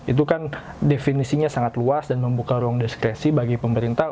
itu kan definisinya sangat luas dan membuka ruang diskresi bagi pemerintah